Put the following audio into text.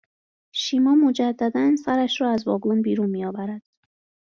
شیما مجددا سرش را از واگن بیرون میآورد